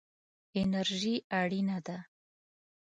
انرژي اړینه ده.